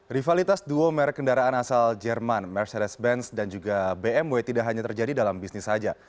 rivalitas duo merek kendaraan asal jerman mercedes benz dan juga bmw tidak hanya terjadi dalam bisnis saja